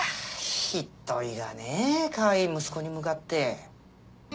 ひっどいがねかわいい息子に向かって。